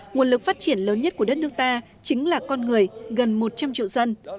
nguồn lực phát triển lớn nhất của đất nước ta chính là con người gần một trăm linh triệu dân